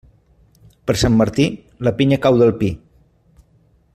Per Sant Martí, la pinya cau del pi.